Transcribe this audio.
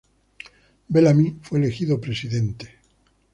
Bellamy fue elegido presidente.